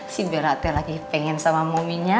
si beratnya lagi pengen sama mominya